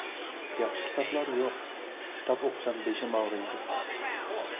ياخشى كىتابلار يوق، كىتاب ئوقۇسام بېشىم ئاغرىيدۇ.